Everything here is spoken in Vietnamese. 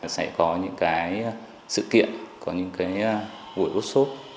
sẽ có những cái sự kiện có những cái buổi gốt sốt